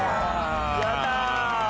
やった。